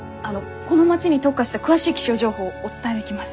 この町に特化した詳しい気象情報お伝えできます。